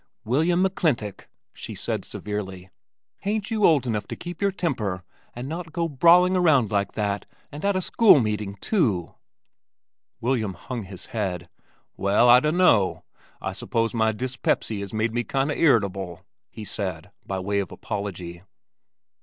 "William McClintock," said she severely, "hain't you old enough to keep your temper and not go brawling around like that and at a school meeting too!" William hung his head. "Well, I dunno! I suppose my dyspepsy has made me kind o' irritable," he said by way of apology.